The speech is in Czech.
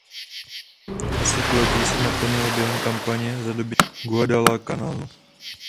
Osud lodi se naplnil během kampaně za dobytí Guadalcanalu.